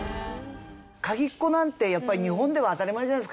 鍵っ子なんてやっぱり日本では当たり前じゃないですか。